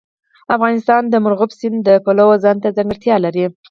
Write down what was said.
افغانستان د مورغاب سیند د پلوه ځانته ځانګړتیا لري.